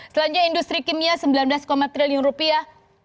selanjutnya industri kimia sembilan belas triliun rupiah